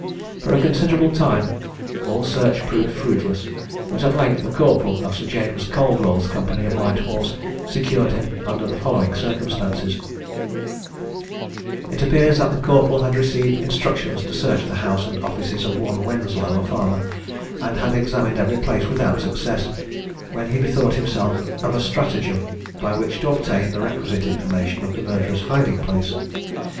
For a considerable time all search proved fruitless; but at length a corporal of Sir James Caldwell's company of Light Horse secured him under the following circumstances: It appears that the corporal had received instructions to search the house and offices of one Wenslow, a farmer, and had examined every place without success, when he bethought himself of a stratagem, by which to obtain the requisite information of the murderer's hiding place.